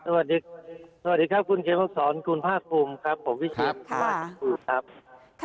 สวัสดีสวัสดีครับคุณเกฟศรคุณภาคภูมิครับผมครับครับค่ะ